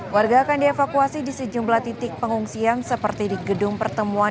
warga akan dievakuasi di sejumlah titik pengungsian seperti di gedung pertemuan